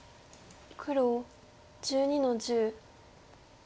黒１２の十。